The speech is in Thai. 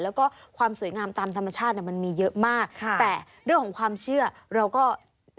แล้วก็ความสวยงามตามธรรมชาติมันมีเยอะมากแต่เรื่องของความเชื่อเราก็นึกเอาไว้